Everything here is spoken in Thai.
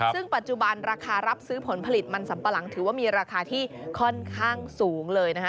ซึ่งปัจจุบันราคารับซื้อผลผลิตมันสัมปะหลังถือว่ามีราคาที่ค่อนข้างสูงเลยนะคะ